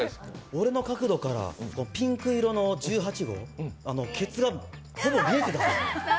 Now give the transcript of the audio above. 俺の角度からピンク色の１８号、ケツがほぼ見えてたぞ。